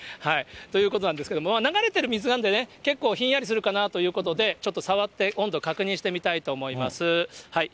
ということなんですけれども、流れてる水なんでね、結構ひんやりするかなということで、ちょっと触って温度確認してみたいと思います。